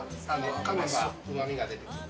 かめばうまみが出てくる。